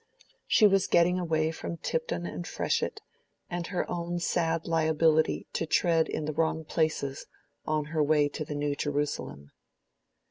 She was getting away from Tipton and Freshitt, and her own sad liability to tread in the wrong places on her way to the New Jerusalem.